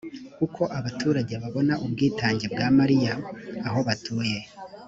uko abaturage babona ubwiganze bwa malariya aho batuye